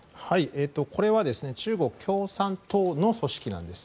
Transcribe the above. これは中国共産党の組織なんです。